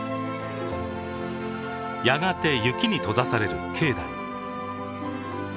やがて雪に閉ざされる境内。